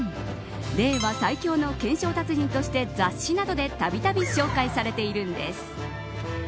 令和最強の懸賞達人として雑誌などでたびたび紹介されているんです。